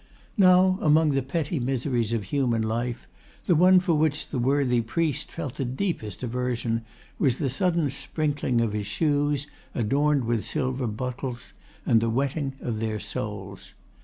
Now, among the petty miseries of human life the one for which the worthy priest felt the deepest aversion was the sudden sprinkling of his shoes, adorned with silver buckles, and the wetting of their soles.